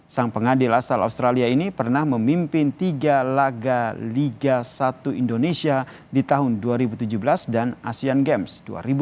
sang pengadil asal australia ini pernah memimpin tiga laga liga satu indonesia di tahun dua ribu tujuh belas dan asean games dua ribu delapan belas